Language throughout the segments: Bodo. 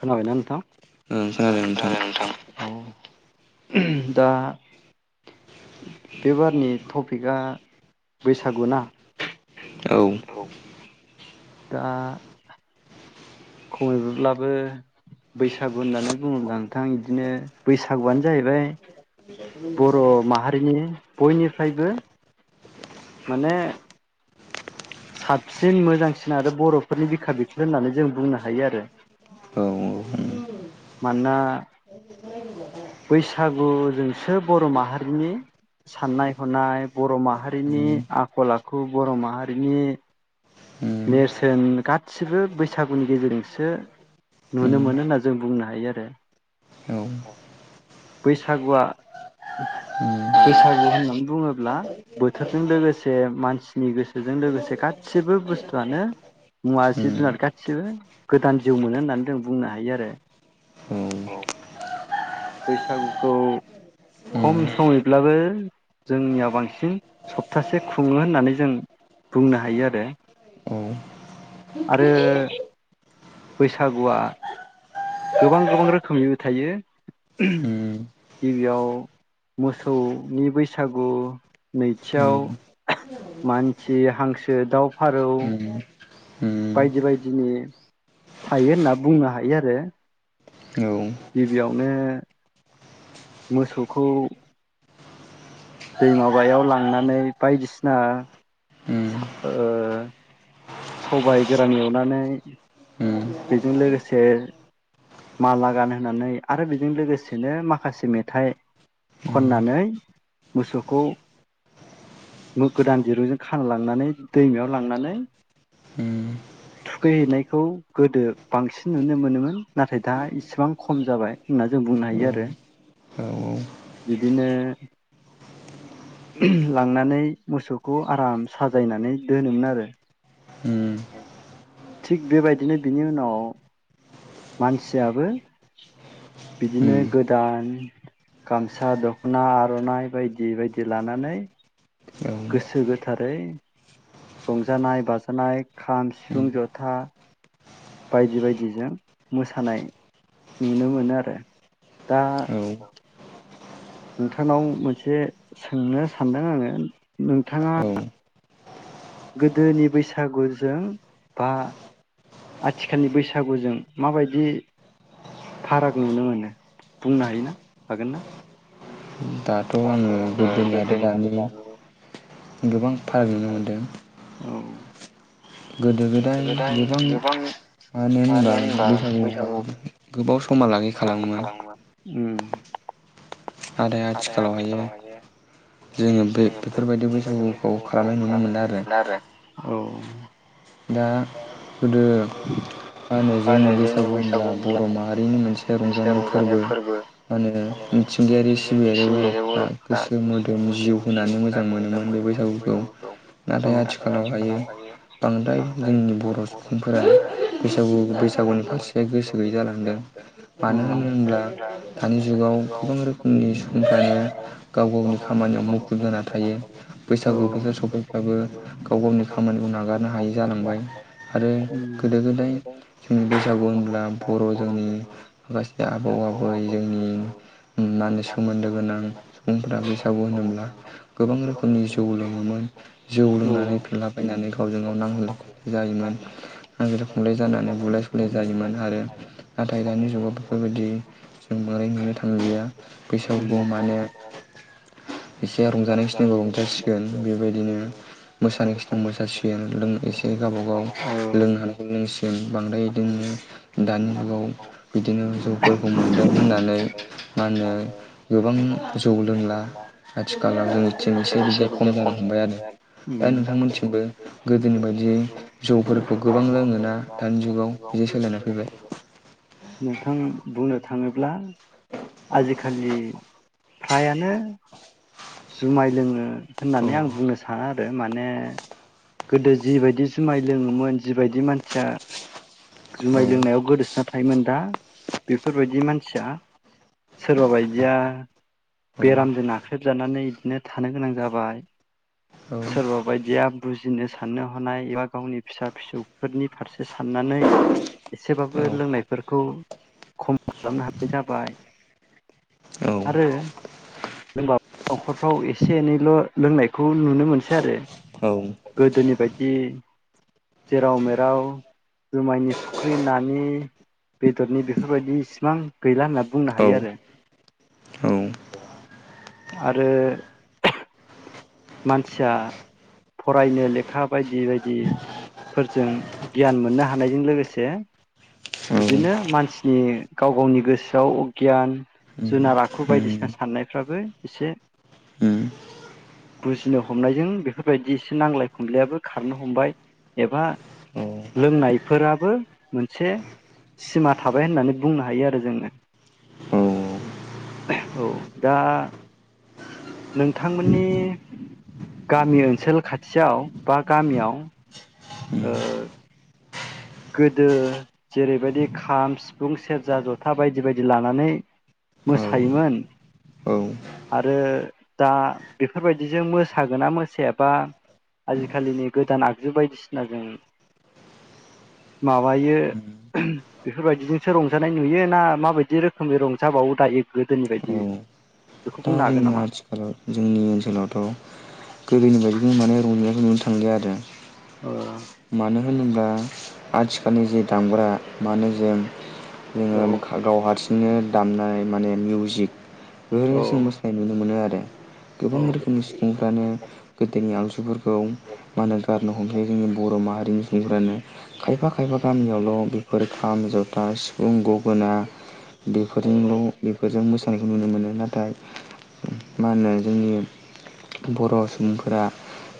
खोनाबायना नोंथां? ओं खोनादों नोंथां, औ। [inaudible] दा बे बारनि टपिकआ बैसागु ना? औ। दा खमैबो ब्लाबो बैसागु होननानै बुङोब्ला नोंथां इदिनो बैसागु आनो जाहैबाय बर' माहारिनि बयनि फ्रायबो माने साबसिन मोजांसिन आरो बर 'फोरनि बिखा बिख्लो होननानै जों बुंनो हायो आरो। औ मानोना बैसागु जोंसो बर' माहारिनि साननाय हनाय बर' माहारिनि उम आखल आखु बर' माहारि बिनो उम नेरसोन गादसिबो बैसागुनि गेजेर जोंसो नुनो उम मोनो होनना जों बुंनो हायो आरो, औ उम औ बैसागुआ उम बैसागु होननानै बुङोब्ला बोथोरजों लोगोसे मानसिनि गोसोजों लोगोसे गासिबो बु थु आनो मुवा जिब जुनार गासिबो गोदान जिउ मोनो होननानै जों बुंनो हायो आरो, औ। बैसागुखौ उम खम औ समैब्लाबो जोंनियाव बांसिन सप्तासे खुङो होननानै जों बुंनो हायो आरो। औ। आरो बैसागुआ गोबां गोबां रोखोमनिबो थायो। उम [inaudible] गिबियाव मोसौ नि बैसागु नैथि याव उम मानसि हांसो दाव फारौ बायदि बायदिनि थायो होनना बुंनो हायो आरो। औ। माने मोसौ खौ दै माबायाव लांनानै बायदिसिना उम उम औ उम साब ओ सबाय गोरान एवनानै औ उम औ बेजों लोगोसे माला गानहोनानै आरो बेजों लोगोसेनो माखासे मेथाइ खननानै मोसौखौ मो गोदान दिरुजों खाना लांनानै दैमायाव लांनानै थुखै हैनायखौ गोदो बांसिन नुनो मोनोमोन। नाथाय दा इसेबां खम जाबाय होनना जों बुंनो हायो आरो। बिदिनो [unintelligible] लांनानै मोसौखौ आराम साजायनानै दोनोमोन आरो। उम। थिग बेबायदिनो बिनि उनाव मानसियाबो बिदिनो गोदान गामसा दख'ना आर'नाइ बायदि बायदि लानानै गोसो गोथारै रंजानाय बाजानाय खाम सिफुं जथा बायदि बायदिजों मोसानाय नुनो मोनो आरो दा नोंथांनाव मोनसे सोंनो सानदों आङो नोंथाङा गोदोनि बैसागुजों बा आथिखालनि बैसागुजों माबायदि फाराग नुनो मोनो बुंनो हायोना हागोन ना दाथ' आङो गोदोनि आरो दानि गोबां फाराग नुनो मोनदों गोदो गोदाय गोबां मानो होनबा बैसागुवावहाय गोबाव समा लागै खालामोमोन उम आरो आथिखालावहायो जोङो बे बेफोरबायदि बैसागुखौ खालामनाय नुनो मोनो आरो औ दा गोदो मा होनो जोंनि बैसागु होनब्ला बर' माहारिनि मोनसे रंजानाय फोरबो मा होनो मिथिंगायारि सिबियारि बर'फोरा गोसो मोदोम जिउ होनानै मोजां मोनोमोन बे बैसागुखौ औ नाथाय आथिखालावहाययो द्राय जों बर' सुबुंफोरा बैसागु बैसागुनि फारसे गोसो गैयै जालांदों औ मानो होनो होनब्ला दानि जुगाव गोबां रोखोमनि सुबुंफ्रानो गाव गावनि खामानियाव मुखुब जाना थायो औ बैसागु बोथोर सफैफ्राबो गाव गावनि खामानिखौ नागार हायो जानां आरो गोदो गोदाय जोंनि बैसागु होनब्ला बर' जोंनि माखासे आबौ आबै जोंनि मा होनो सोमोन्दो गोनां सुबुंफ्रा बैसागु होनोब्ला गोबां रोखोमनि जौ लोङोमोन जौ लोंनानै फेलाबायनानै गावजों गाव नाङो जायोमोन नांलाय खमलाय जानानै बुलाय सुलाय जायोमोन आरो नाथाय दानि जुगाव बेफोरबायदि जों बांद्राय नुनो थांलिया बैसागुवाव माने एसे रंजानाय खिनिखौ रंजासिगोन बेबायदिनो मोसानाय खिनिखौ मोसासिगोन जों लों एसे गावबा गाव लोंनो हानाय लोंसिम बांद्रायदिनो दानि जुगाव बिदिनो जौफोरखौ मोनदों होननानै मा होनो गोबां जौ लोंला आथिखालाव जोंनिथिं एसे बिदि खम जानो हमबाय आरो दा नोंथां नोंथांमोननिथिंबो मिथिगौ गोदोनि बायदियै [inaudible] बिदि सोलायना फैबाय नोंथां बुंनो थाङोब्ला आजिखालि फ्रायानो जुमाय लोङो औ होननानै आं बुंनो साना आरो माने गोदो जिबायदि जुमाय लोङोमोन जिबायदि मानसिया औ जुमाय लोंनायाव गोदोसोना थायोमोन दा बेफोरबायदि मानसिया सोरबा बायदिया औ बेरामजों नाख्रेबजानानै बिदिनो थानो गोनां जाबाय औ सोरबा बायदिया बुजिनो साननो हनाय एबा गावनि फिसा फिसौफोरनि फारसे साननानै औ एसेबाबो लोंनायफोरखौ खम खालामनो हानाय जाबाय औ आरो न'खरफ्राव एसे एनैल' लोंनायखौ नुनो मोनसै आरो गोदोनि बायदि जेराव मेराव जुमायनि फुख्रि नानि बेदरनि बेफोरबायदि इसिबां गैला होनना बुंनो औ हायो औ आरो आरो मानसिया फरायनो लेखा बायदि बायदिफोरजों गियान मोननो हानायजों लोगोसे औ बिदिनो मानसिनि गाव गावनि गोसोआव गियान जुनार आखु बायदिसिना साननायफ्राबो एसे बुजिनो हमनायजों बेफोरबायदि एसे नांज्लाय खमलायाबो खारनो हमबाय एबा लोंनायफोराबो मोनसे सिमा थाबाय होननानै बुंनो हायो आरो जोङो औ दा नोंथांमोननि गामि ओनसोल खाथियाव बा गामियाव ओ गोदो जेरैबायदि खाम सिफुं सेरजा जथा बायदि बायदि लानानै औ मोसायोमोन आरो दा बेफोरबायदिजों मोसागोना मोसायाबा आजिखालिनि गोदान आगजु बायदिसिनाजों माबायो उम, बेफोरबायदिजोंसो रंजानाय नुयो ना माबायदि रोखोमनि रंजाबावो दायो गोदोनि बायदि औ बेखौ दा बुंनो हागोन जोंनि नामा आथिखालाव जोंनि ओनसोलावथ' गोदोनि बायदि बिनि माने रंजिनायखौ नुनो थांलिया आरो ओ [inaudible] मानो होन- दा आथिखालनि जे दामग्रा माने जों औ ओ गाव हारसिं बिदिनो दामनाय माने मिउजिक ओ औ [unintelligible] जों मोसानाय नुनो मोनो आरो गोबां रोखोमनि सुबुंफ्रानो गोदोनि आव [unintelligible] मा होनो गारनो हमखायो जोंनि बर' माहारिनि सुबुंफ्रानो खायफा खायफा [unintelligible] गामियावल' बेफोर खाम जथा सिफुं गगोना बेफोरजोंल' बेफोरजों मोसा [unintelligible] खानायखौ नुनो मोनो नाथाय मा होनो जोंनि बर' सुबुंफोरा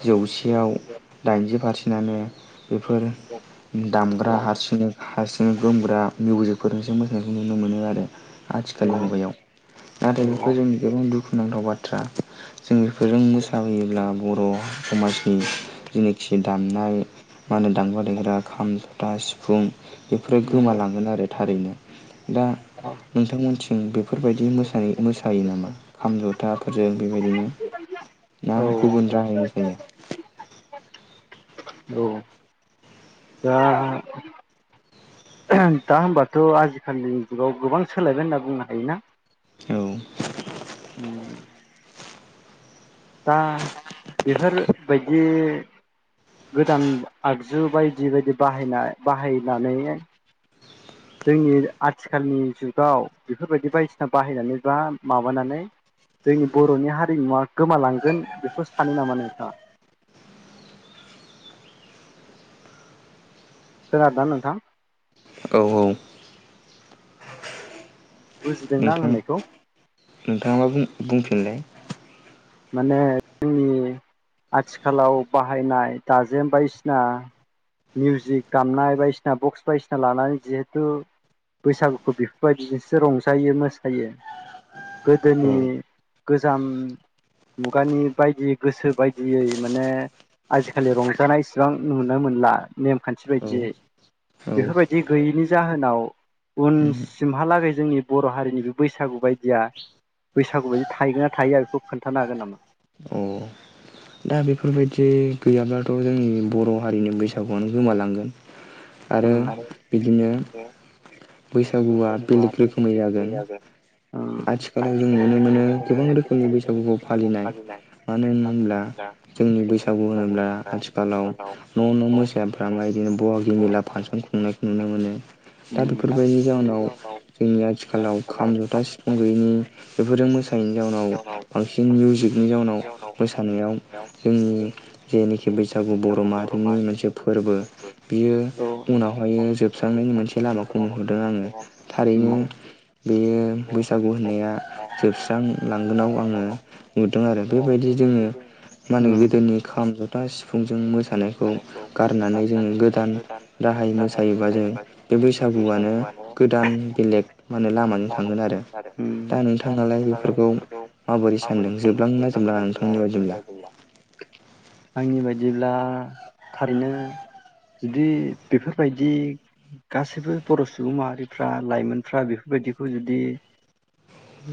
जौसे [unintelligible] दाइनजि फारसे [unintelligible] थिनानै बेफोर औ दामग्रा हारसिनो हारसि [unintelligible] गोमग्रा मिउजिकफोरसो मोसानायखौ नुनो मोनो आरो आथिखालनि मुगायाव नाथाय [unintelligible] जोंनि गोबां दुखु [unintelligible] बाथ्रा जों बेफोरजों मोसाहयोब्ला बर' समाजनि जेनोखि दामनाय मा होनो दामग्रा देग्रा खाम जथा सिफुं बेफोरो गोमालांगोन आरो थारैनो दा नोंथांमोनथिं बेफोरबायदि मोसानाय जायो नामा खाम जथाफोरजों बेबायदिनो ना गुबुन औ राहायनो जायो औ [unintelligible] होनबाथ' आजिखालिनि जुगाव गोबां सोलायबाय होनना बुंनो हायोना औ ओम दा बेफोरबायदि गोदान आगजु बायदि बायदि बाहायना बाहायनानै जोंनि आथिखालनि जुगाव बेफोरबायदि बायदिसिना बाहायनानै बा माबानानै जोंनि बर'नि हारिमुवा गोमालांगोन बेखौ सानो नामा नोंथाङा खोनारादोंना नोंथां औ औ बुजिदोंना आं नोंथां होननायखौ नोंथाङा मा बुं बुंफिनलाय माने जोंनि आथिखालाव बाहायनाय दाजेम बायदिसिना मिउजिक दामनाय बायदिसिना बक्स बायदिसिना लानानै जिहेथु बैसागुखौ बेफोरबायदिजोंसो रंजायो मोसायो औ गोदोनि गोजाम मुगानि बायदियै गोसो बायदियै माने आजिखालि रंजानाय इसिबां नुनो मोनला नेमखान्थि औ बायदियै औ बेफोरबायदि गैयैनि जाहोनाव उनसिमहालागै जोंनि बर' हारिनि बे बैसागु बायदिया बैसागु बायदि थायोगोन नना थायोया बेखौ खोन्थानो हागोन नामा अ दा बेफोरबायदि गैयाब्लाथ' जोंनि बर' हारिनि बैसागुआनो गोमालांगोन आरो बिदिनो बैसागुआ बेलेग रोखोमै जागोन औ आथिखालाव जों नुनो मोनो गोबां रोखोमनि बैसागुखौ फालिनाय मानो होनोब्ला जोंनि बैसागु होनोब्ला आथिखालाव न' न' मोसाफ्रामना बिदिनो [unintelligible] फांसन खुंनायखौ नुनो मोनो दा बेफोरबायदि जाउन आव जोंनि आथिखालाव खाम जथा सि [unintelligible] बेफोरजों मोसानायैनि जाउनाव बांसिन मिउजिकनि जाउनाव मोसानायाव जोंनि जेनोखि बैसागु बर' माहारिनि मोनसे फोरबो बियो [unintelligible] उनावहायो जोबस्रांनायनि मोनसे लामाखौ नुहरदों आङो उम थारैनो बेयो बैसागु होननाया जोबस्रांलांगोनाव आङो नुदों आरो बेबायदि जोङो माने उम गोदोनि खाम जथा सिफुं [unintelligible] मोसानायखौ गारनानै जोङो गोदान राहाय मोसायोबा जों बे बैसागुआनो गोदान बेलेग मे लामाजों थांगोन आरो [unintelligible] दा अम नोंथाङालाय बेफोरखौ माबोरै सानदों जोबलांगोनना जोबलाङा नोंथांनि बायदिब्ला आंनि बायदिब्ला थारैनो जुदि बेफोरबायदि गासैबो बर' सुबुं माहारिफ्रा लाइमोनफ्रा बेफोरबायदिखौ जुदि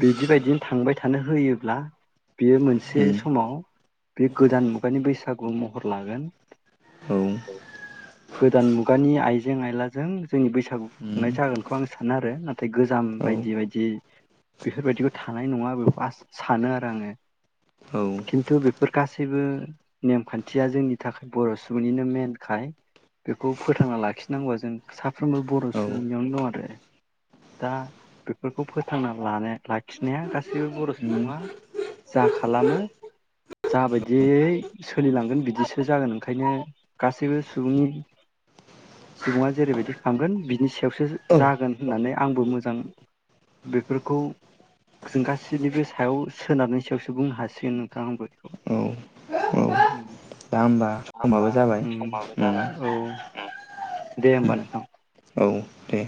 बिदिबायदिनो थांबाय थानो होयोब्ला बियो मोनसे उम समाव बे गोदान मुगानि बैसागु महर लागोन औ गोदान मुगानि आइजें आयलाजों जोंनि बैसागु उम खुंनाय जागोनखौ आं सानो आरो नाथाय गोजाम औ बायदि-बायदि बेफोरबायदिखौ थानाय नङा बेखौ आ सानो आरो आङो औ खिन्थु बेफोर गासैबो नेमखान्थिया जोंनि थाखाय बर' सुबुंनिनो मेनखाय बेखौ फोथांना लाखिनांगौआ जों साफ्रोमबो बर' सुबुंनियावनो दं आरो दा बेफोरखौ फोथांना लानाय लाखिनाया गासैबो बर' उम सुबुङा जा खालामो जा बायदियै सोलिलांगोन बिदिसो जागोन ओंखायनो गासैबो सुबुंनि सुबुङा जेरैबायदि थांगोन बिनि सायावसो औ जागोन होननानै आंबो मोजां बेफोरखौ जों गासैनिबो सायाव सोनारनायनि सायावसो बुंनो हासिगोन नोंथां आंबो बेखौ औ औ दा होमबा समाबो जाबाय औ उम दे होमबा नोंथां औ दे